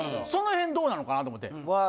そのへんどうなのかなと思って。